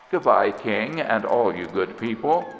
"Good bye, King, and all you good people.